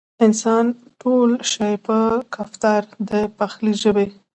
انسان تول شي پۀ ګفتار د خپلې ژبې